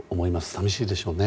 寂しいでしょうね。